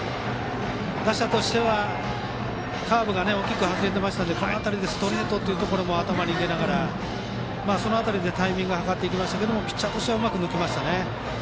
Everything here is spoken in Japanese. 打者としてはカーブが外れていたのでこの辺りでストレートというところも頭に入れながら、その辺りでタイミングを図りましたがピッチャーとしてはうまく抜きました。